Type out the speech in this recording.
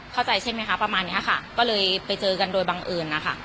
เข้าใจใช่ไหมคะประมาณนี้ค่ะก็เลยไปเจอกันโดยบังเอิญนะคะ